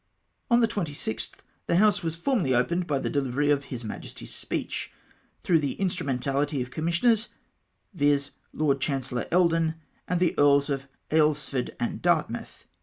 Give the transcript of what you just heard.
On the 26th the House was formally opened by the dehvery of his Majesty's speech, through the instru ment ahty of commissioners, viz. Lord Chancellor Eldon, and the Earls of Aylesford and Dartmouth.